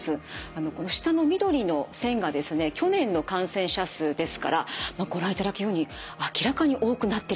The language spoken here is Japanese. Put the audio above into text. この下の緑の線がですね去年の感染者数ですからご覧いただくように明らかに多くなってるの分かりますよね。